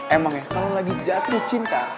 emang ya kalau lagi jatuh cinta